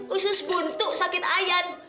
usus buntuk sakit ayan